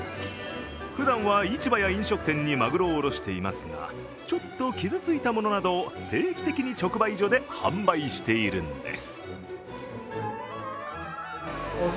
ふだんは市場や飲食店にマグロを卸していますがちょっと傷ついたものなどを定期的に直売所で販売しているんです。